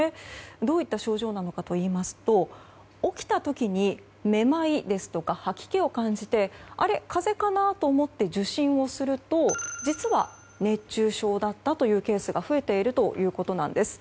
どういった症状なのかといいますと起きた時にめまいですとか吐き気を感じてあれ、風邪かな？と思って受診をすると実は、熱中症だったというケースが増えているということなんです。